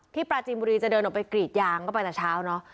ปราจีนบุรีจะเดินออกไปกรีดยางก็ไปแต่เช้าเนอะ